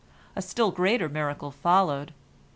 A still greater miracle followed.